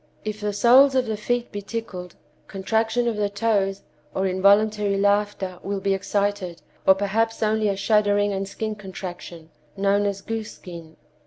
If the soles of the feet be tickled, contraction of the toes, or involuntary laughter, will be excited, or perhaps only a shuddering and skin contraction, known as goose skin.